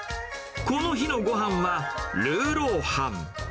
この日のごはんは、ルーローハン。